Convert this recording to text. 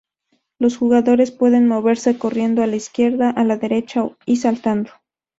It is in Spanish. Los jugadores pueden moverse corriendo a la izquierda, a la derecha y saltando.